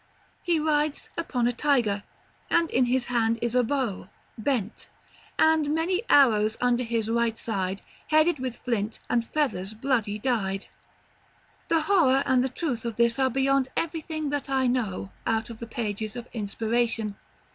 He rides upon a tiger, and in his hand is a bow, bent; "And many arrows under his right side, Headed with flint, and fethers bloody dide." The horror and the truth of this are beyond everything that I know, out of the pages of Inspiration.